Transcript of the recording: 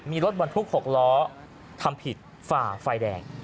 มีรถบรรทุก๖ล้อทำผิดฝ่าไฟแดง